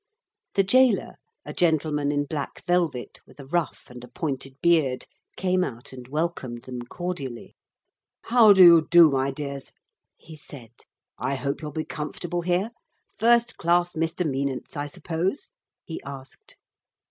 The gaoler, a gentleman in black velvet, with a ruff and a pointed beard, came out and welcomed them cordially. 'How do you do, my dears?' he said. 'I hope you'll be comfortable here. First class misdemeanants, I suppose?' he asked.